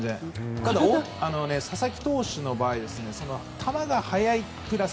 ただ、佐々木投手の場合球が速いプラス